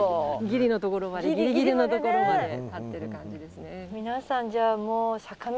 ギリのところまでギリギリのところまで立ってる感じですね。